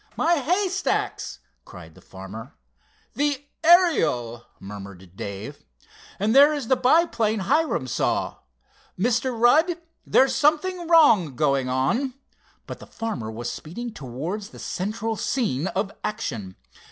"My haystacks!" cried the farmer. "The Ariel!" murmured Dave. "And there is the biplane Hiram saw. Mr. Rudd, there's something wrong going on!" but the farmer was speeding towards the central scene of action.